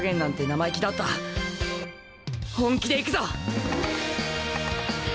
本気でいくぞ！